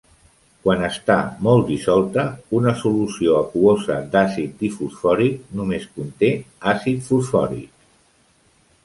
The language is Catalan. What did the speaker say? Quan està molt dissolta, una solució aquosa d'àcid difosfòric només conté àcid fosfòric.